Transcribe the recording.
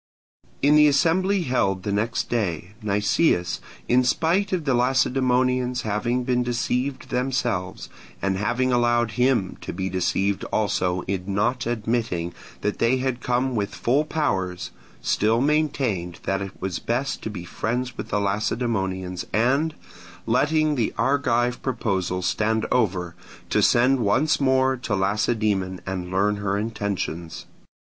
In the assembly held the next day, Nicias, in spite of the Lacedaemonians having been deceived themselves, and having allowed him to be deceived also in not admitting that they had come with full powers, still maintained that it was best to be friends with the Lacedaemonians, and, letting the Argive proposals stand over, to send once more to Lacedaemon and learn her intentions.